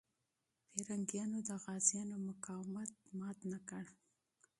پرنګیانو د غازيانو مقاومت مات نه کړ.